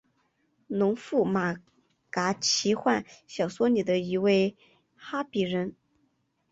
农夫马嘎奇幻小说里的一位哈比人。